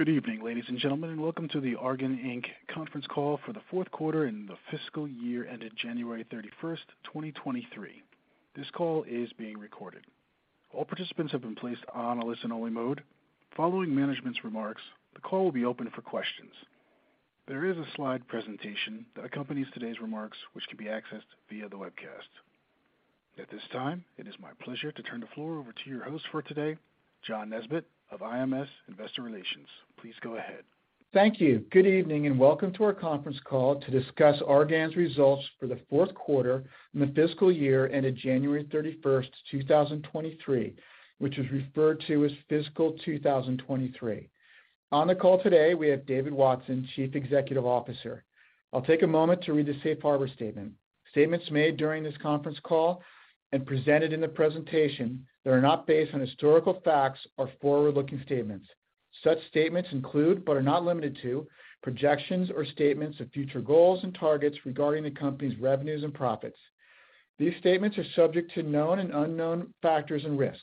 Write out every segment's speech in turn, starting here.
Good evening, ladies and gentlemen, welcome to the Argan Inc. conference call for the fourth quarter and the fiscal year ended January 31, 2023. This call is being recorded. All participants have been placed on a listen-only mode. Following management's remarks, the call will be open for questions. There is a slide presentation that accompanies today's remarks, which can be accessed via the webcast. At this time, it is my pleasure to turn the floor over to your host for today, John Nesbett of IMS Investor Relations. Please go ahead. Thank you. Good evening, and welcome to our conference call to discuss Argan's results for the fourth quarter and the fiscal year ended January 31st, 2023, which is referred to as fiscal 2023. On the call today, we have David Watson, Chief Executive Officer. I'll take a moment to read the safe harbor statement. Statements made during this conference call and presented in the presentation that are not based on historical facts are forward-looking statements. Such statements include, but are not limited to, projections or statements of future goals and targets regarding the company's revenues and profits. These statements are subject to known and unknown factors and risks.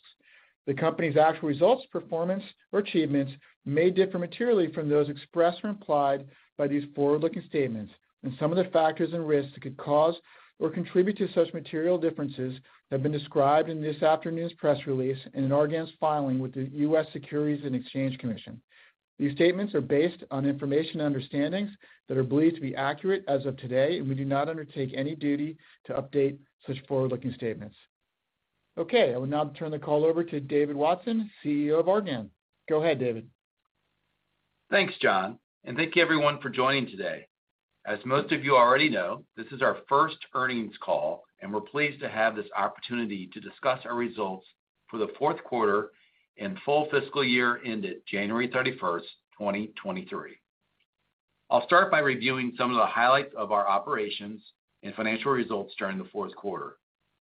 The company's actual results, performance, or achievements may differ materially from those expressed or implied by these forward-looking statements, and some of the factors and risks that could cause or contribute to such material differences have been described in this afternoon's press release and in Argan's filing with the US Securities and Exchange Commission. These statements are based on information and understandings that are believed to be accurate as of today, and we do not undertake any duty to update such forward-looking statements. Okay, I will now turn the call over to David Watson, CEO of Argan. Go ahead, David. Thanks, John, and thank you everyone for joining today. As most of you already know, this is our first earnings call, and we're pleased to have this opportunity to discuss our results for the fourth quarter and full fiscal year ended January 31, 2023. I'll start by reviewing some of the highlights of our operations and financial results during the fourth quarter.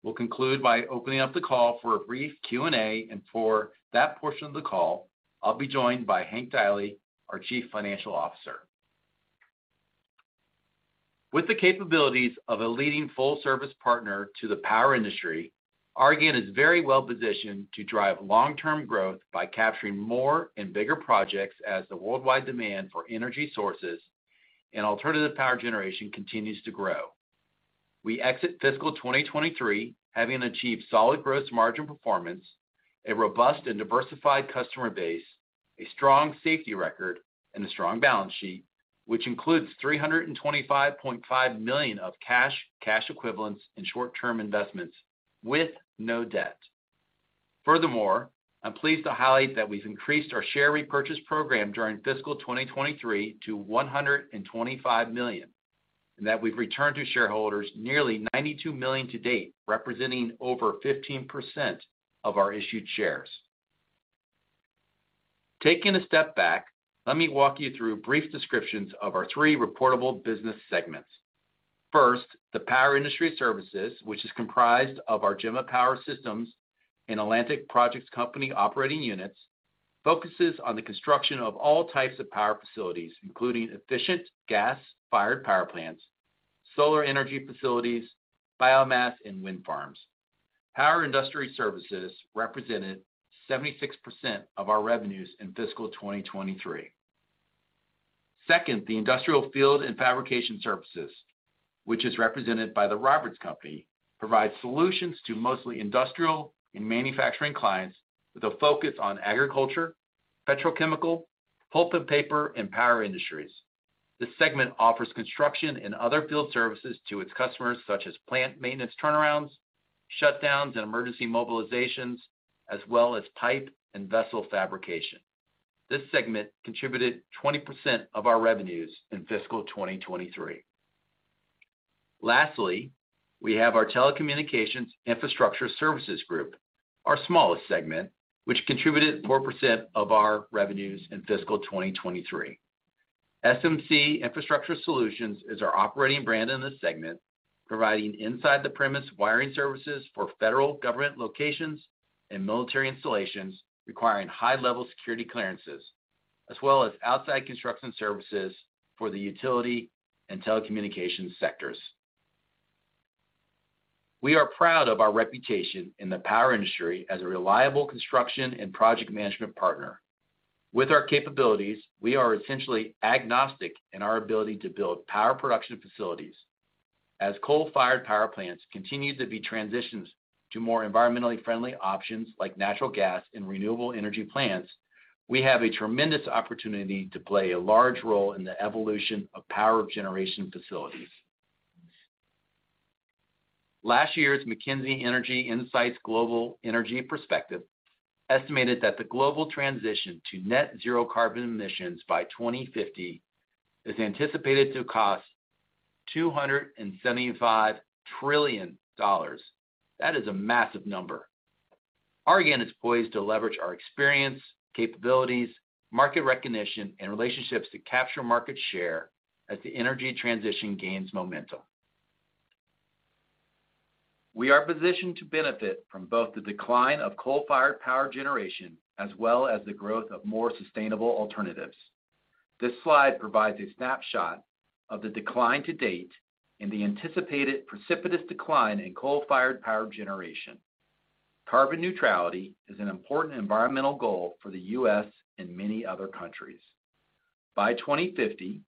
We'll conclude by opening up the call for a brief Q&A. For that portion of the call, I'll be joined by Hank Deily, our Chief Financial Officer. With the capabilities of a leading full-service partner to the power industry, Argan is very well-positioned to drive long-term growth by capturing more and bigger projects as the worldwide demand for energy sources and alternative power generation continues to grow. We exit fiscal 2023 having achieved solid gross margin performance, a robust and diversified customer base, a strong safety record, and a strong balance sheet, which includes $325.5 million of cash equivalents, and short-term investments with no debt. Furthermore, I'm pleased to highlight that we've increased our share repurchase program during fiscal 2023 to $125 million, and that we've returned to shareholders nearly $92 million to date, representing over 15% of our issued shares. Taking a step back, let me walk you through brief descriptions of our three reportable business segments. First, the power industry services, which is comprised of our Gemma Power Systems and Atlantic Projects Company operating units, focuses on the construction of all types of power facilities, including efficient gas-fired power plants, solar energy facilities, biomass, and wind farms. Power industry services represented 76% of our revenues in fiscal 2023. Second, the industrial field and fabrication services, which is represented by The Roberts Company, provides solutions to mostly industrial and manufacturing clients with a focus on agriculture, petrochemical, pulp and paper, and power industries. This segment offers construction and other field services to its customers, such as plant maintenance turnarounds, shutdowns, and emergency mobilizations, as well as pipe and vessel fabrication. This segment contributed 20% of our revenues in fiscal 2023. Lastly, we have our telecommunications infrastructure services group, our smallest segment, which contributed 4% of our revenues in fiscal 2023. SMC Infrastructure Solutions is our operating brand in this segment, providing inside the premise wiring services for federal government locations and military installations requiring high-level security clearances as well as outside construction services for the utility and telecommunications sectors. We are proud of our reputation in the power industry as a reliable construction and project management partner. With our capabilities, we are essentially agnostic in our ability to build power production facilities. As coal-fired power plants continue to be transitioned to more environmentally friendly options like natural gas and renewable energy plants, we have a tremendous opportunity to play a large role in the evolution of power generation facilities. Last year's McKinsey Energy Insights Global Energy Perspective estimated that the global transition to net zero carbon emissions by 2050 is anticipated to cost $275 trillion. That is a massive number. Argan is poised to leverage our experience, capabilities, market recognition, and relationships to capture market share as the energy transition gains momentum. We are positioned to benefit from both the decline of coal-fired power generation as well as the growth of more sustainable alternatives. This slide provides a snapshot of the decline to date and the anticipated precipitous decline in coal-fired power generation. Carbon neutrality is an important environmental goal for the U.S. and many other countries. By 2050,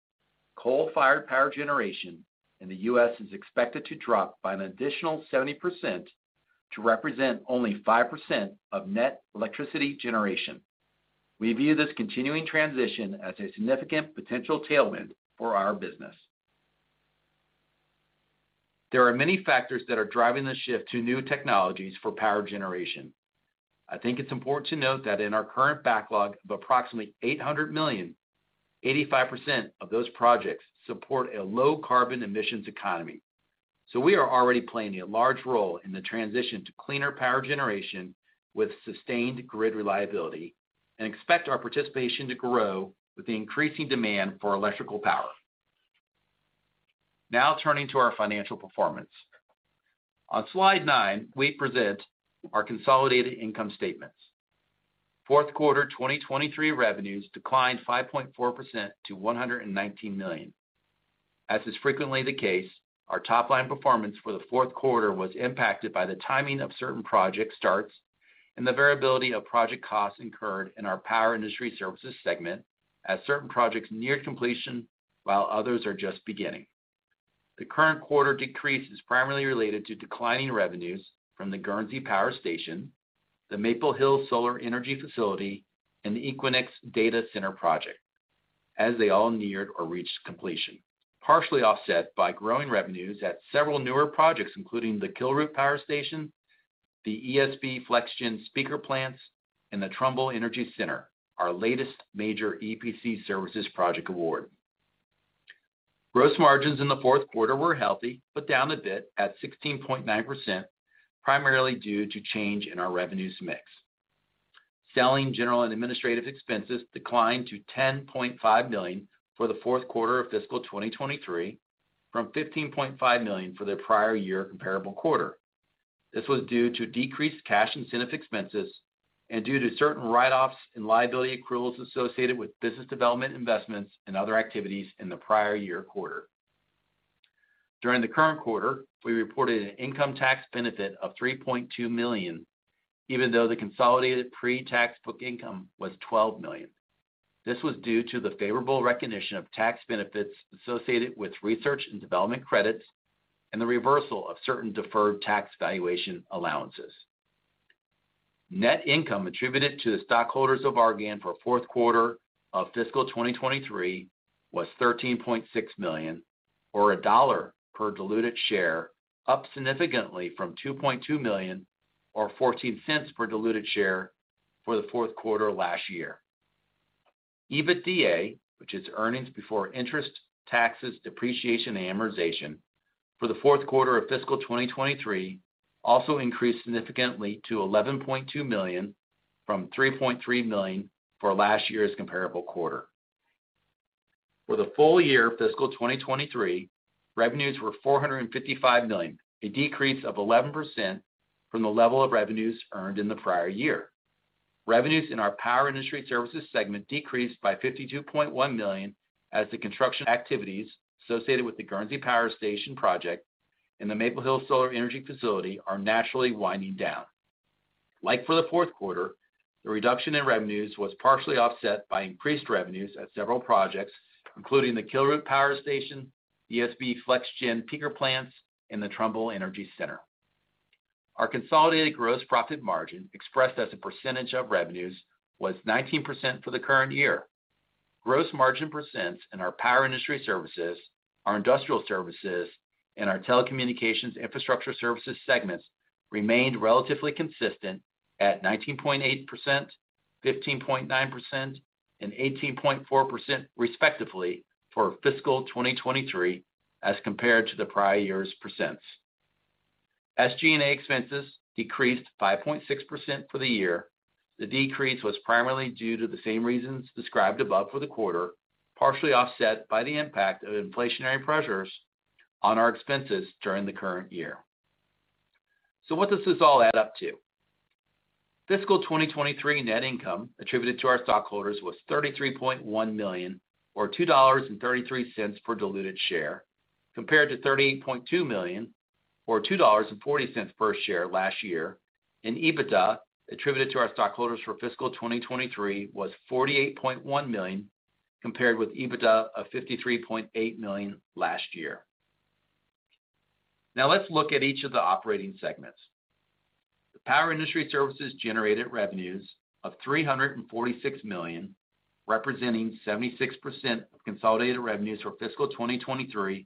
coal-fired power generation in the U.S. is expected to drop by an additional 70% to represent only 5% of net electricity generation. We view this continuing transition as a significant potential tailwind for our business. There are many factors that are driving the shift to new technologies for power generation. I think it's important to note that in our current backlog of approximately $800 million, 85% of those projects support a low carbon emissions economy. We are already playing a large role in the transition to cleaner power generation with sustained grid reliability and expect our participation to grow with the increasing demand for electrical power. Turning to our financial performance. On slide nine, we present our consolidated income statements. Fourth quarter 2023 revenues declined 5.4% to $119 million. As is frequently the case, our top-line performance for the fourth quarter was impacted by the timing of certain project starts and the variability of project costs incurred in our power industry services segment as certain projects near completion while others are just beginning. The current quarter decrease is primarily related to declining revenues from the Guernsey Power Station, the Maple Hill Solar Energy Facility, and the Equinix data center project as they all neared or reached completion, partially offset by growing revenues at several newer projects, including the Kilroot Power Station, the ESB FlexGen Peaker Plants, and the Trumbull Energy Center, our latest major EPC services project award. Gross margins in the fourth quarter were healthy but down a bit at 16.9%, primarily due to change in our revenues mix. Selling, General, and Administrative Expenses declined to $10.5 million for the fourth quarter of fiscal 2023 from $15.5 million for the prior year comparable quarter. This was due to decreased cash incentive expenses and due to certain write-offs and liability accruals associated with business development investments and other activities in the prior year quarter. During the current quarter, we reported an income tax benefit of $3.2 million, even though the consolidated pre-tax book income was $12 million. This was due to the favorable recognition of tax benefits associated with research and development credits and the reversal of certain deferred tax valuation allowances. Net income attributed to the stockholders of Argan for fourth quarter of fiscal 2023 was $13.6 million, or $1.00 per diluted share, up significantly from $2.2 million, or $0.14 per diluted share for the fourth quarter last year. EBITDA, which is earnings before interest, taxes, depreciation, and amortization, for the fourth quarter of fiscal 2023 also increased significantly to $11.2 million from $3.3 million for last year's comparable quarter. For the full year fiscal 2023, revenues were $455 million, a decrease of 11% from the level of revenues earned in the prior year. Revenues in our power industry services segment decreased by $52.1 million as the construction activities associated with the Guernsey Power Station project and the Maple Hill Solar Energy Facility are naturally winding down. Like for the fourth quarter, the reduction in revenues was partially offset by increased revenues at several projects, including the Kilroot Power Station, ESB FlexGen peaker plants, and the Trumbull Energy Center. Our consolidated gross profit margin expressed as a percentage of revenues was 19% for the current year. Gross margin percents in our power industry services, our industrial services, and our telecommunications infrastructure services segments remained relatively consistent at 19.8%, 15.9%, and 18.4% respectively for fiscal 2023 as compared to the prior year's percents. SG&A expenses decreased 5.6% for the year. The decrease was primarily due to the same reasons described above for the quarter, partially offset by the impact of inflationary pressures on our expenses during the current year. What does this all add up to? Fiscal 2023 net income attributed to our stockholders was $33.1 million or $2.33 per diluted share, compared to $38.2 million or $2.40 per share last year. EBITDA attributed to our stockholders for fiscal 2023 was $48.1 million, compared with EBITDA of $53.8 million last year. Let's look at each of the operating segments. The power industry services generated revenues of $346 million, representing 76% of consolidated revenues for fiscal 2023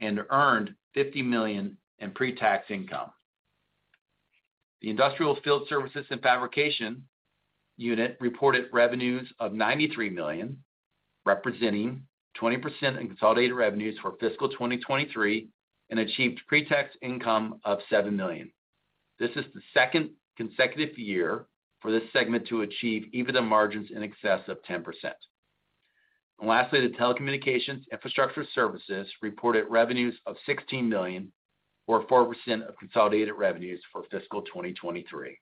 and earned $50 million in pre-tax income. The industrial field services and fabrication unit reported revenues of $93 million, representing 20% in consolidated revenues for fiscal 2023 and achieved pre-tax income of $7 million. This is the second consecutive year for this segment to achieve EBITDA margins in excess of 10%. Lastly, the telecommunications infrastructure services reported revenues of $16 million or 4% of consolidated revenues for fiscal 2023.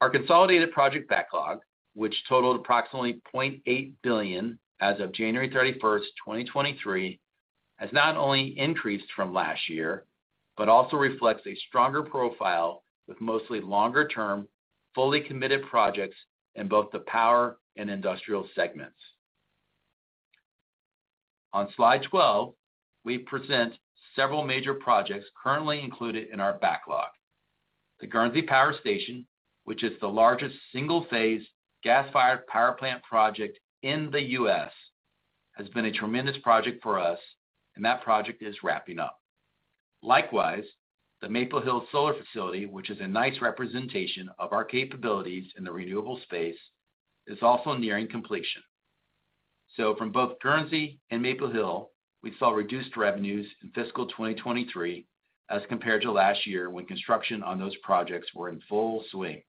Our consolidated project backlog, which totaled approximately $0.8 billion as of January 31st, 2023, has not only increased from last year, but also reflects a stronger profile with mostly longer-term, fully committed projects in both the power and industrial segments. On slide 12, we present several major projects currently included in our backlog. The Guernsey Power Station, which is the largest single-phase gas-fired power plant project in the U.S., has been a tremendous project for us, and that project is wrapping up. Likewise, the Maple Hill Solar Facility, which is a nice representation of our capabilities in the renewable space, is also nearing completion. From both Guernsey and Maple Hill, we saw reduced revenues in fiscal 2023 as compared to last year when construction on those projects were in full swing.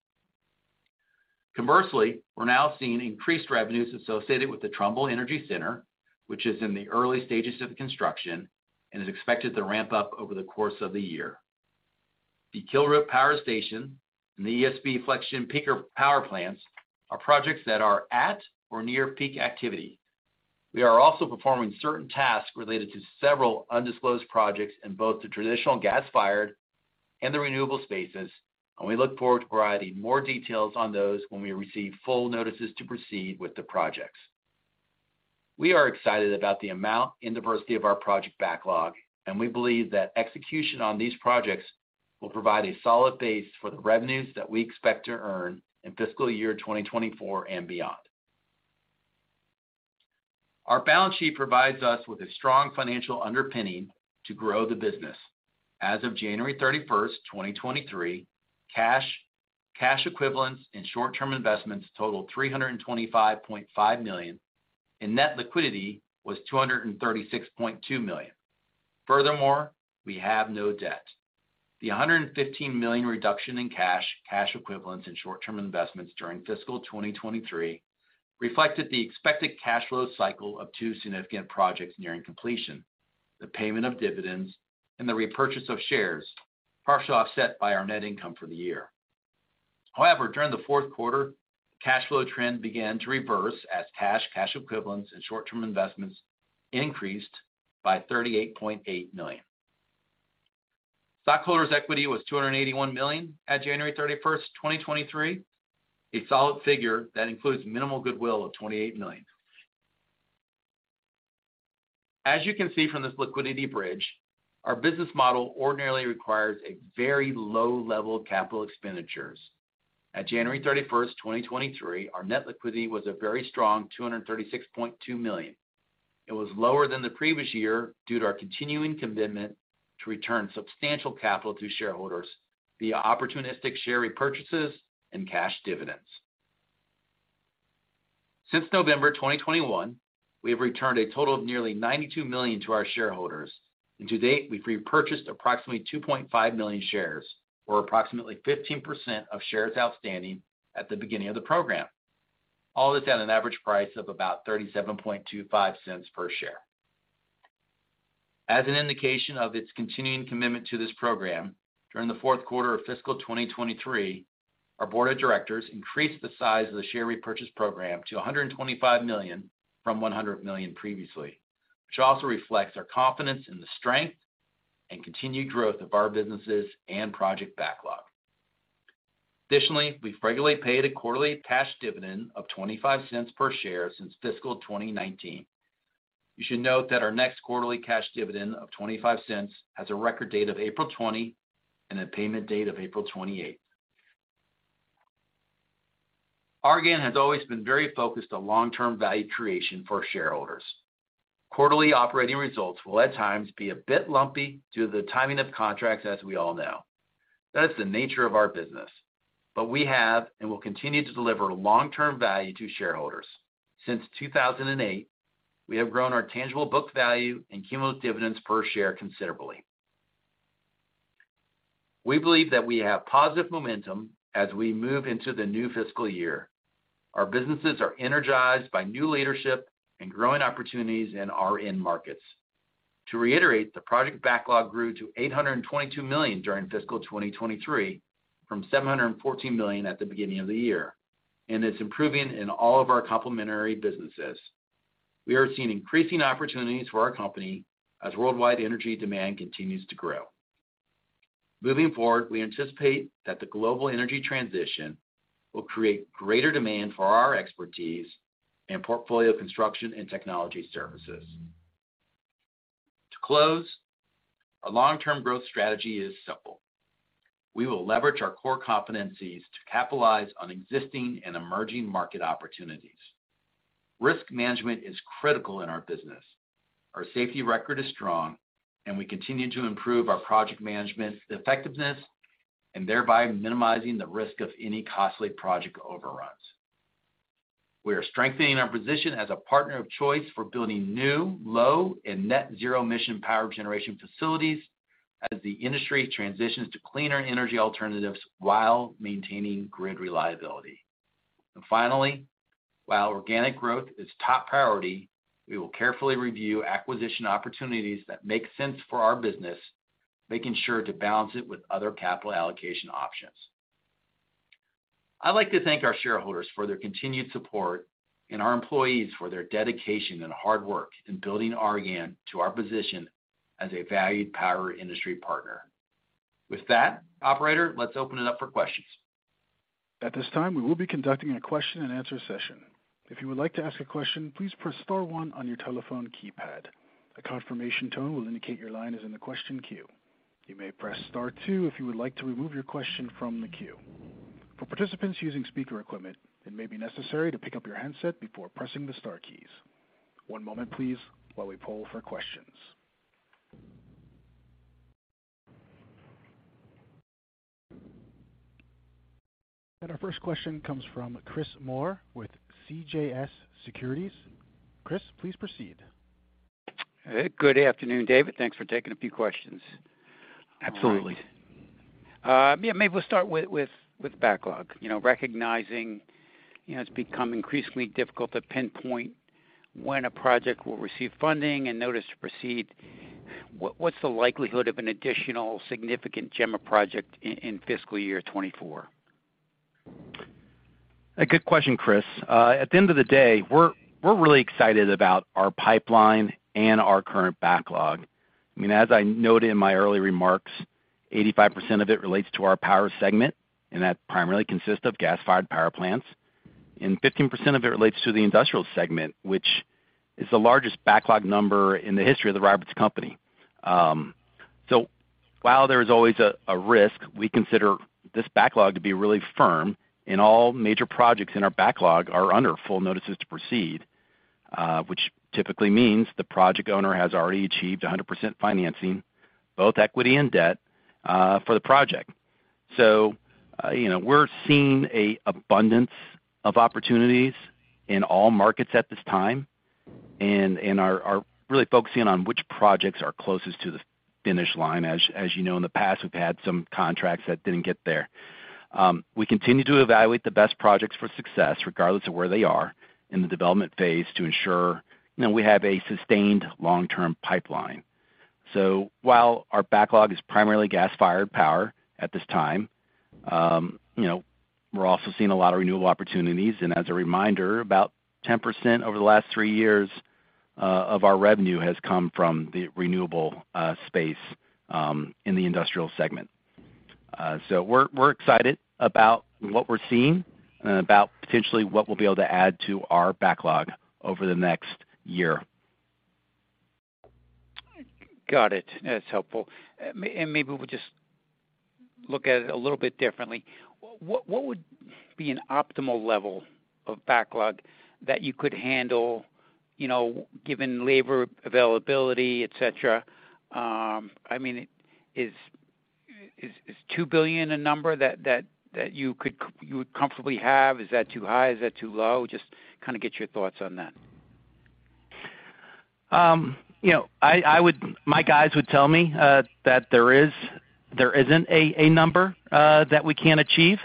Conversely, we're now seeing increased revenues associated with the Trumbull Energy Center, which is in the early stages of construction and is expected to ramp up over the course of the year. The Kilroot Power Station and the ESB FlexGen Peaker Plants are projects that are at or near peak activity. We are also performing certain tasks related to several undisclosed projects in both the traditional gas-fired and the renewable spaces, and we look forward to providing more details on those when we receive full notices to proceed with the projects. We are excited about the amount and diversity of our project backlog. We believe that execution on these projects will provide a solid base for the revenues that we expect to earn in fiscal year 2024 and beyond. Our balance sheet provides us with a strong financial underpinning to grow the business. As of January 31, 2023, cash equivalents and short-term investments totaled $325.5 million, and net liquidity was $236.2 million. Furthermore, we have no debt. The $115 million reduction in cash equivalents and short-term investments during fiscal 2023 reflected the expected cash flow cycle of two significant projects nearing completion, the payment of dividends, and the repurchase of shares, partially offset by our net income for the year. However, during the fourth quarter, cash flow trend began to reverse as cash equivalents, and short-term investments increased by $38.8 million. Stockholders' equity was $281 million at January 31, 2023, a solid figure that includes minimal goodwill of $28 million. As you can see from this liquidity bridge, our business model ordinarily requires a very low level of capital expenditures. At January 31, 2023, our net liquidity was a very strong $236.2 million. It was lower than the previous year due to our continuing commitment to return substantial capital to shareholders via opportunistic share repurchases and cash dividends. Since November 2021, we have returned a total of nearly $92 million to our shareholders, and to date, we've repurchased approximately 2.5 million shares, or approximately 15% of shares outstanding at the beginning of the program, all this at an average price of about $0.3725 per share. As an indication of its continuing commitment to this program, during the fourth quarter of fiscal 2023, our board of directors increased the size of the share repurchase program to $125 million from $100 million previously, which also reflects our confidence in the strength and continued growth of our businesses and project backlog. Additionally, we've regularly paid a quarterly cash dividend of $0.25 per share since fiscal 2019. You should note that our next quarterly cash dividend of $0.25 has a record date of April 20 and a payment date of April 28. Argan has always been very focused on long-term value creation for shareholders. Quarterly operating results will at times be a bit lumpy due to the timing of contracts, as we all know. That's the nature of our business. We have and will continue to deliver long-term value to shareholders. Since 2008, we have grown our tangible book value and cumulative dividends per share considerably. We believe that we have positive momentum as we move into the new fiscal year. Our businesses are energized by new leadership and growing opportunities in our end markets. To reiterate, the project backlog grew to $822 million during fiscal 2023 from $714 million at the beginning of the year. It's improving in all of our complementary businesses. We are seeing increasing opportunities for our company as worldwide energy demand continues to grow. Moving forward, we anticipate that the global energy transition will create greater demand for our expertise and portfolio construction and technology services. To close, our long-term growth strategy is simple. We will leverage our core competencies to capitalize on existing and emerging market opportunities. Risk management is critical in our business. Our safety record is strong. We continue to improve our project management effectiveness and thereby minimizing the risk of any costly project overruns. We are strengthening our position as a partner of choice for building new, low, and net zero emission power generation facilities as the industry transitions to cleaner energy alternatives while maintaining grid reliability. Finally, while organic growth is top priority, we will carefully review acquisition opportunities that make sense for our business, making sure to balance it with other capital allocation options. I'd like to thank our shareholders for their continued support and our employees for their dedication and hard work in building Argan to our position as a valued power industry partner. With that, operator, let's open it up for questions. At this time, we will be conducting a question-and-answer session. If you would like to ask a question, please press star one on your telephone keypad. A confirmation tone will indicate your line is in the question queue. You may press star two if you would like to remove your question from the queue. For participants using speaker equipment, it may be necessary to pick up your handset before pressing the star keys. One moment please while we poll for questions. Our first question comes from Chris Moore with CJS Securities. Chris, please proceed. Good afternoon, David. Thanks for taking a few questions. Absolutely. Yeah, maybe we'll start with backlog. You know, recognizing, you know, it's become increasingly difficult to pinpoint when a project will receive funding and notice to proceed. What's the likelihood of an additional significant Gemma project in fiscal year 2024? A good question, Chris. At the end of the day, we're really excited about our pipeline and our current backlog. I mean, as I noted in my early remarks, 85% of it relates to our power segment, and that primarily consists of gas-fired power plants, and 15% of it relates to the industrial segment, which is the largest backlog number in the history of The Roberts Company. While there is always a risk, we consider this backlog to be really firm, and all major projects in our backlog are under full notices to proceed, which typically means the project owner has already achieved 100% financing, both equity and debt, for the project. you know, we're seeing a abundance of opportunities in all markets at this time and are really focusing on which projects are closest to the finish line. As you know, in the past, we've had some contracts that didn't get there. We continue to evaluate the best projects for success regardless of where they are in the development phase to ensure, you know, we have a sustained long-term pipeline. While our backlog is primarily gas-fired power at this time, you know, we're also seeing a lot of renewable opportunities, and as a reminder, about 10% over the last three years of our revenue has come from the renewable space in the industrial segment. We're excited about what we're seeing and about potentially what we'll be able to add to our backlog over the next year. Got it. That's helpful. Maybe we'll just look at it a little bit differently. What would be an optimal level of backlog that you could handle, you know, given labor availability, et cetera? I mean, is $2 billion a number that you would comfortably have? Is that too high? Is that too low? Just kinda get your thoughts on that. You know, I would... My guys would tell me that there isn't a number that we can't achieve.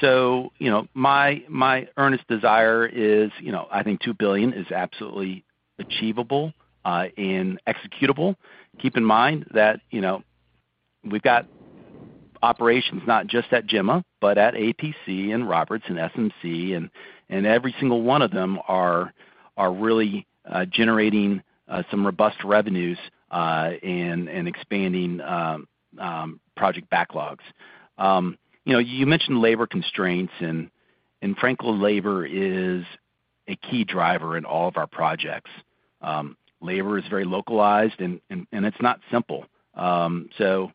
You know, my earnest desire is, you know, I think $2 billion is absolutely achievable and executable. Keep in mind that, you know, we've got operations not just at Gemma, but at APC and Roberts and SMC and every single one of them are really generating some robust revenues and expanding project backlogs. You know, you mentioned labor constraints and frankly, labor is a key driver in all of our projects. Labor is very localized and it's not simple. you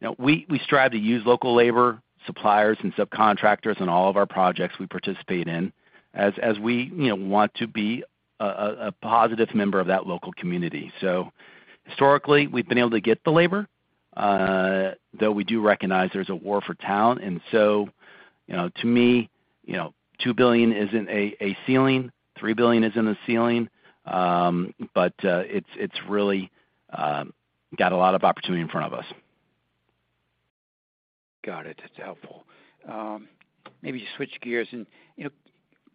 know, we strive to use local labor, suppliers and subcontractors on all of our projects we participate in as we, you know, want to be a positive member of that local community. Historically, we've been able to get the labor, though we do recognize there's a war for talent. you know, to me, you know, $2 billion isn't a ceiling, $3 billion isn't a ceiling, but it's really got a lot of opportunity in front of us. Got it. That's helpful. Maybe switch gears and, you know,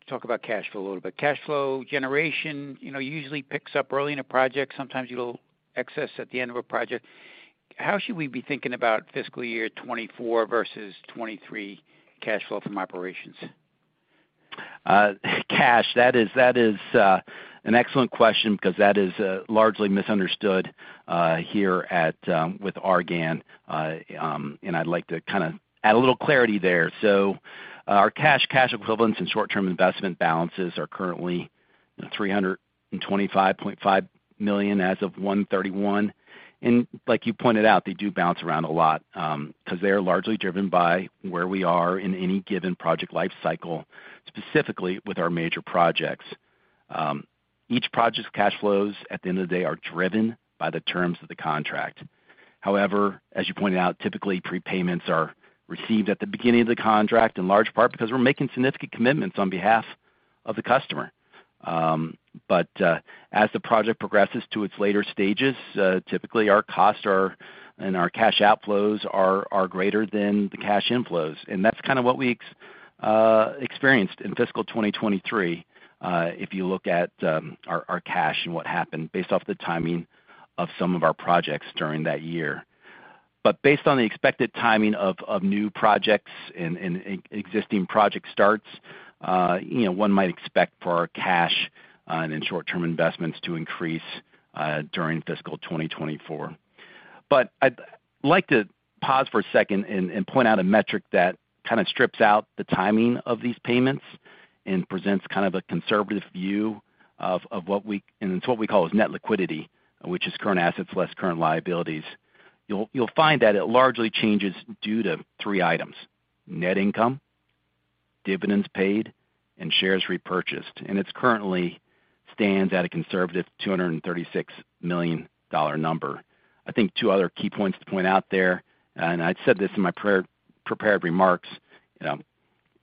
talk about cash flow a little bit. Cash flow generation, you know, usually picks up early in a project, sometimes you'll excess at the end of a project. How should we be thinking about fiscal year 2024 versus 2023 cash flow from operations? Cash, that is an excellent question 'cause that is largely misunderstood here at with Argan. I'd like to kinda add a little clarity there. So our cash equivalents and short-term investment balances are currently $325.5 million as of 1/31. Like you pointed out, they do bounce around a lot, 'cause they are largely driven by where we are in any given project life cycle, specifically with our major projects. Each project's cash flows at the end of the day are driven by the terms of the contract. However, as you pointed out, typically prepayments are received at the beginning of the contract in large part because we're making significant commitments on behalf of the customer. As the project progresses to its later stages, typically our costs are, and our cash outflows are greater than the cash inflows. That's kinda what we experienced in fiscal 2023, if you look at our cash and what happened based off the timing of some of our projects during that year. Based on the expected timing of new projects and existing project starts, you know, one might expect for our cash and then short-term investments to increase during fiscal 2024. I'd like to pause for a second and point out a metric that kinda strips out the timing of these payments and presents kind of a conservative view of what we... It's what we call as net liquidity, which is current assets less current liabilities. You'll find that it largely changes due to three items: net income, dividends paid, and shares repurchased. It's currently stands at a conservative $236 million dollar number. I think two other key points to point out there, and I said this in my pre-prepared remarks,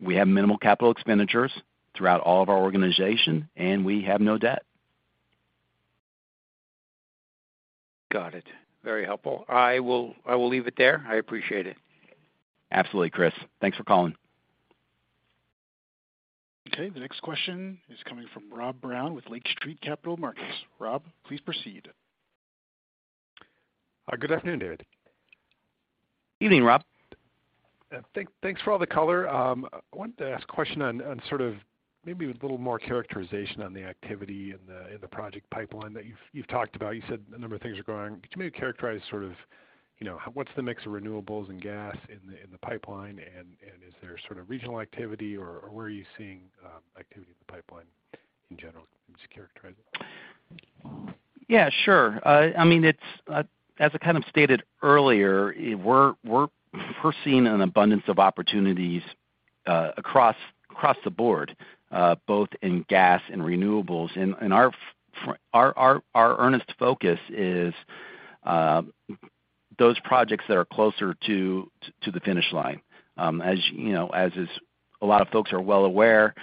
we have minimal capital expenditures throughout all of our organization, and we have no debt. Got it. Very helpful. I will leave it there. I appreciate it. Absolutely, Chris. Thanks for calling. Okay. The next question is coming from Rob Brown with Lake Street Capital Markets. Rob, please proceed. Good afternoon, David. Evening, Rob. Thanks for all the color. I wanted to ask a question on sort of maybe with a little more characterization on the activity in the project pipeline that you've talked about. You said a number of things are growing. Could you maybe characterize sort of, you know, what's the mix of renewables and gas in the pipeline? Is there sort of regional activity or where are you seeing activity in the pipeline in general? Just characterize it. Yeah, sure. I mean, it's, as I kind of stated earlier, we're foreseeing an abundance of opportunities, across the board, both in gas and renewables. Our earnest focus is those projects that are closer to the finish line. As, you know, as is a lot of folks are well aware,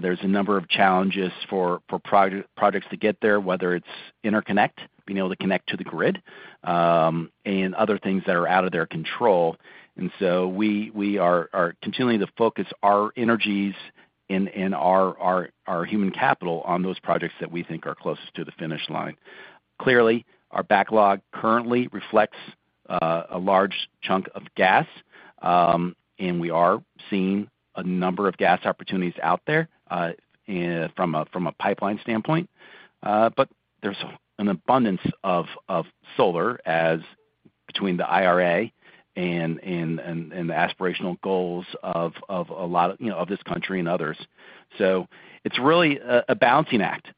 there's a number of challenges for projects to get there, whether it's interconnect, being able to connect to the grid, and other things that are out of their control. We are continuing to focus our energies and our human capital on those projects that we think are closest to the finish line. Clearly, our backlog currently reflects a large chunk of gas, and we are seeing a number of gas opportunities out there from a pipeline standpoint. But there's an abundance of solar as between the IRA and the aspirational goals of a lot of, you know, of this country and others. It's really a balancing act.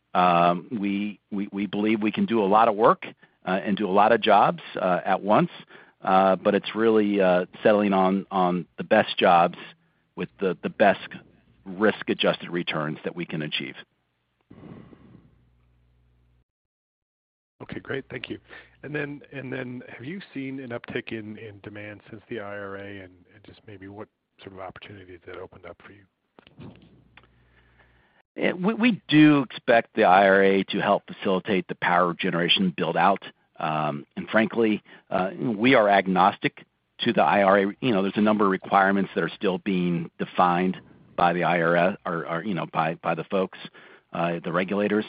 We believe we can do a lot of work and do a lot of jobs at once, but it's really settling on the best jobs with the best risk-adjusted returns that we can achieve. Okay, great. Thank you. Then have you seen an uptick in demand since the IRA and just maybe what sort of opportunities that opened up for you? We do expect the IRA to help facilitate the power generation build-out. Frankly, we are agnostic to the IRA. You know, there's a number of requirements that are still being defined by the IRA or, you know, by the folks, the regulators.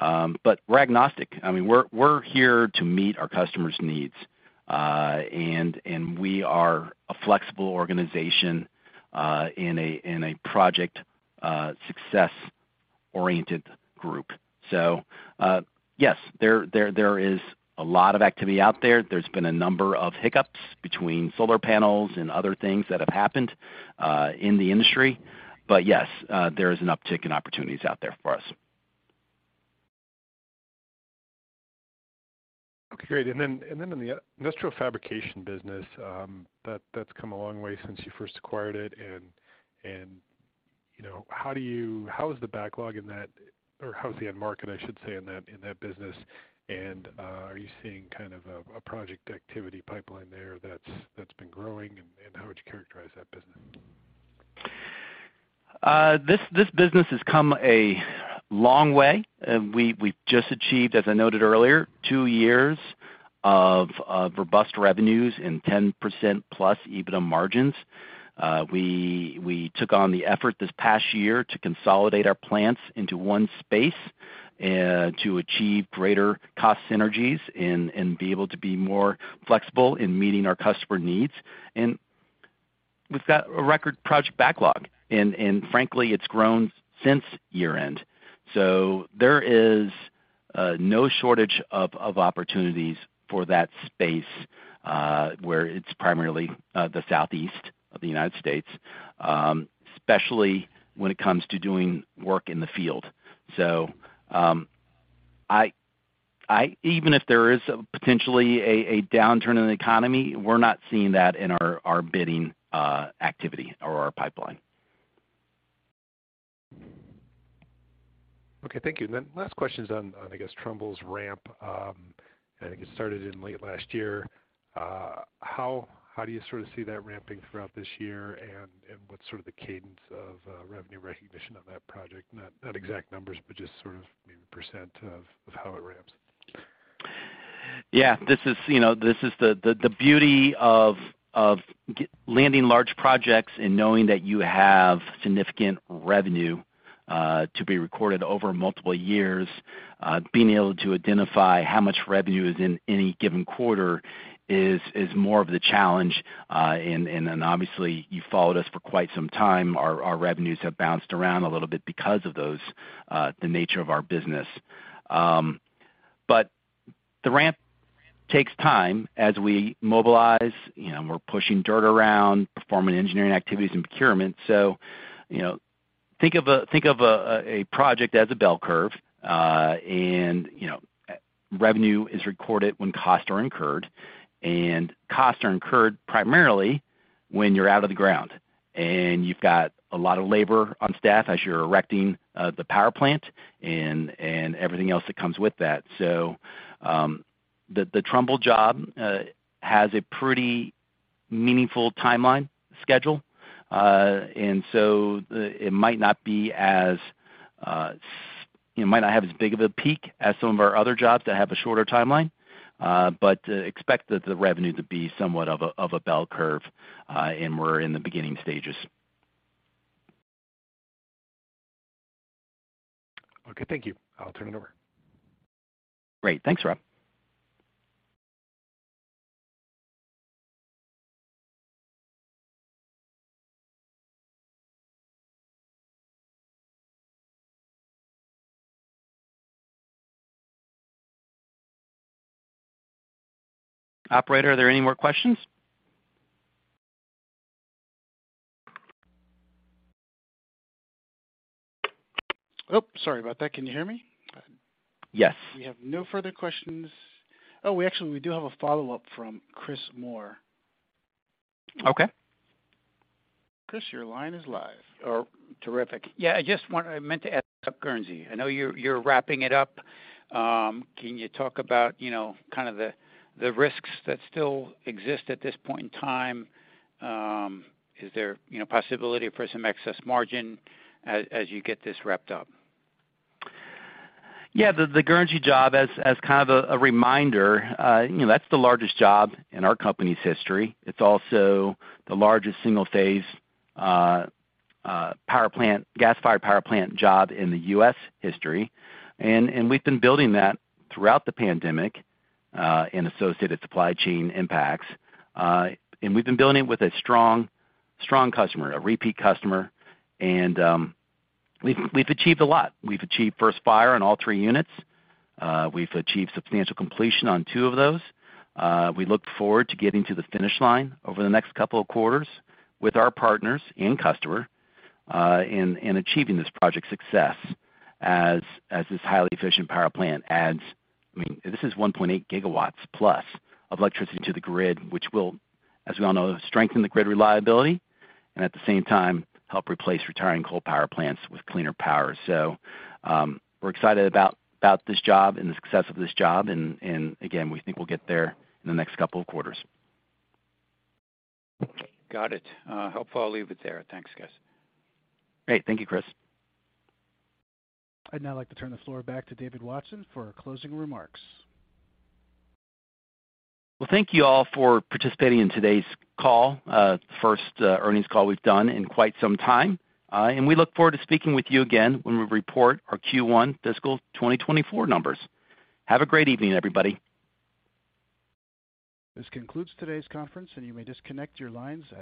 We're agnostic. I mean, we're here to meet our customers' needs. We are a flexible organization, in a project success-oriented group. Yes, there is a lot of activity out there. There's been a number of hiccups between solar panels and other things that have happened in the industry. Yes, there is an uptick in opportunities out there for us. Okay, great. Then, in the industrial fabrication business, that's come a long way since you first acquired it and, you know, how is the backlog in that or how is the end market, I should say, in that business? Are you seeing kind of a project activity pipeline there that's been growing? How would you characterize that business? This business has come a long way. We've just achieved, as I noted earlier, two years of robust revenues and 10% plus EBITDA margins. We took on the effort this past year to consolidate our plants into one space to achieve greater cost synergies and be able to be more flexible in meeting our customer needs. We've got a record project backlog, and frankly, it's grown since year-end. There is no shortage of opportunities for that space, where it's primarily the southeast of the United States, especially when it comes to doing work in the field. Even if there is potentially a downturn in the economy, we're not seeing that in our bidding activity or our pipeline. Okay, thank you. Last question's on I guess Trumbull's ramp. I think it started in late last year. How do you sort of see that ramping throughout this year and what's sort of the cadence of revenue recognition on that project? Not exact numbers, but just sort of maybe percent of how it ramps. Yeah. This is, you know, this is the beauty of landing large projects and knowing that you have significant revenue to be recorded over multiple years. Being able to identify how much revenue is in any given quarter is more of the challenge. Then obviously you followed us for quite some time. Our revenues have bounced around a little bit because of those, the nature of our business. The ramp takes time as we mobilize, you know, we're pushing dirt around, performing engineering activities and procurement. You know, think of a project as a bell curve. You know, revenue is recorded when costs are incurred, and costs are incurred primarily when you're out of the ground and you've got a lot of labor on staff as you're erecting the power plant and everything else that comes with that. The Trumbull job has a pretty meaningful timeline schedule. It might not be as it might not have as big of a peak as some of our other jobs that have a shorter timeline. Expect the revenue to be somewhat of a bell curve, and we're in the beginning stages. Okay, thank you. I'll turn it over. Great. Thanks, Rob. Operator, are there any more questions? Oops, sorry about that. Can you hear me? Yes. We have no further questions. Oh, we actually, we do have a follow-up from Chris Moore. Okay. Chris, your line is live. Oh, terrific. Yeah, I meant to ask about Guernsey. I know you're wrapping it up. Can you talk about, you know, kind of the risks that still exist at this point in time? Is there, you know, possibility for some excess margin as you get this wrapped up? Yeah. The Guernsey job as kind of a reminder, you know, that's the largest job in our company's history. It's also the largest single-phase power plant, gas-fired power plant job in the U.S. history. We've been building that throughout the pandemic and associated supply chain impacts. We've been building it with a strong customer, a repeat customer. We've achieved a lot. We've achieved first fire on all three units. We've achieved substantial completion on two of those. We look forward to getting to the finish line over the next couple of quarters with our partners and customer in achieving this project's success as this highly efficient power plant adds... I mean, this is 1.8 GW plus of electricity to the grid, which will, as we all know, strengthen the grid reliability and at the same time help replace retiring coal power plants with cleaner power. We're excited about this job and the success of this job. Again, we think we'll get there in the next couple of quarters. Got it. Helpful. I'll leave it there. Thanks, guys. Great. Thank you, Chris. I'd now like to turn the floor back to David Watson for our closing remarks. Well, thank you all for participating in today's call, the first earnings call we've done in quite some time. We look forward to speaking with you again when we report our Q1 fiscal 2024 numbers. Have a great evening, everybody. This concludes today's conference, and you may disconnect your lines.